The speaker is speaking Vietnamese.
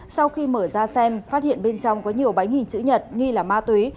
sau khi mở ra xem phát hiện bên trong có nhiều bánh hình chữ nhật nghi là ma túy